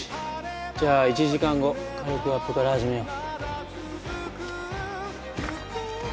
じゃあ１時間後、軽くアップから始めよう。